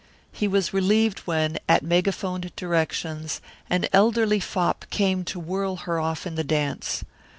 He was relieved when, at megaphoned directions, an elderly fop came to whirl her off in the dance.